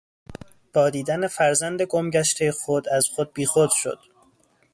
با دیدن فرزند گم گشتهی خود از خود بیخود شد.